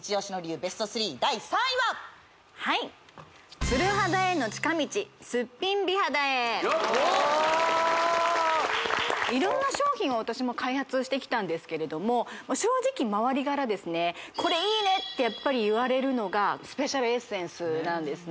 ＢＥＳＴ３第３位ははい色んな商品を私も開発してきたんですけれども正直周りからですねってやっぱり言われるのがスペシャルエッセンスなんですね